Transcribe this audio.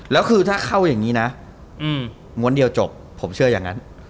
แล้วคือถ้าเข้าอย่างนี้นะม้วนเดียวจบผมเชื่ออย่างนั้น